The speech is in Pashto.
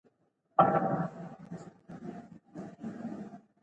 مالي بازارونه باید تحلیل شي.